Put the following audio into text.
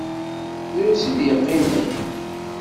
Drus i d-yeqqimen.